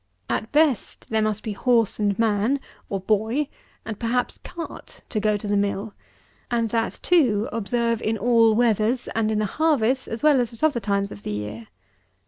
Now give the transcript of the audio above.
At best, there must be horse and man, or boy, and, perhaps, cart, to go to the mill; and that, too, observe, in all weathers, and in the harvest as well as at other times of the year.